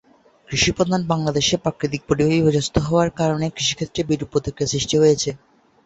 কৃষিপ্রধান বাংলাদেশে প্রাকৃতিক পরিবেশ বিপর্যস্ত হওয়ার কারণে কৃষিক্ষেত্রে বিরূপ প্রতিক্রিয়ার সৃষ্টি হচ্ছে।